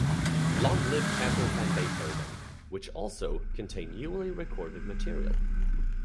Long Live Camper Van Beethoven, which also contained newly recorded material.